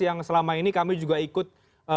yang selama ini kami juga ikut